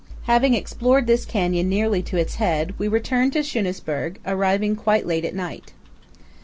Having explored this canyon nearly to its head, we return to Schunesburg, arriving quite late at night.